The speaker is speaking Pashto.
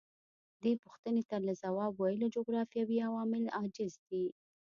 دې پوښتنې ته له ځواب ویلو جغرافیوي عوامل عاجز دي.